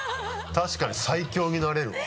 確かに最強になれるわ。